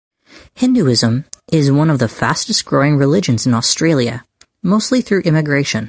Hinduism is one of the fastest growing religions in Australia mostly through immigration.